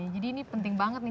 jadi ini penting banget nih